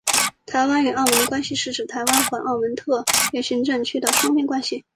台湾与澳门关系是指台湾和澳门特别行政区的双边关系。